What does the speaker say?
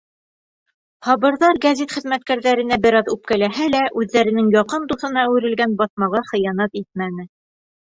Һабырҙар гәзит хеҙмәткәрҙәренә бер аҙ үпкәләһә лә, үҙҙәренең яҡын дуҫына әүерелгән баҫмаға хыянат итмәне.